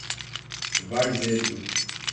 Varzedo